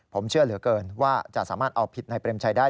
ผมเชื่อเหลือเกินว่าจะสามารถเอาผิดนายเปรมชัยได้